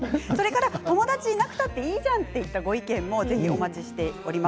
友達いなくたっていいじゃんというご意見もお待ちしています。